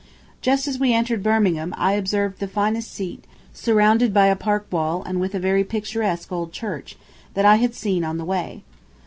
Just as we entered Birmingham I observed the finest seat, surrounded by a park wall and with a very picturesque old church, that I had seen on the way.